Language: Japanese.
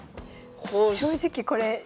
正直これ。